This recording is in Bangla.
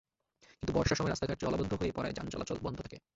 কিন্তু বর্ষার সময় রাস্তাঘাট জলাবদ্ধ হয়ে পড়ায় যান চলাচল বন্ধ থাকে।